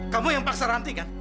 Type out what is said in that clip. kamu yang paksa ranti kan